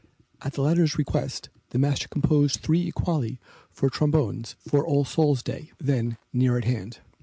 At the latter's request the master composed three equali for trombones for All Souls' Day, then near at hand.